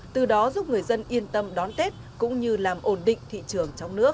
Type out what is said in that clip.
từ đó giúp người dân yên tâm đón tết cũng như làm ổn định thị trường trong nước